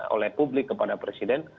oleh publik kepada presiden